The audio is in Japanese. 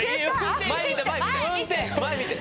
前見て！